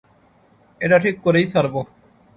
এটা ঠিক করেই ছাড়বো।